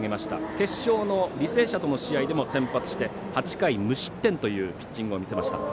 決勝の履正社との試合でも先発して８回無失点というピッチングを見せました。